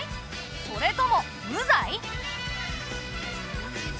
それとも無罪？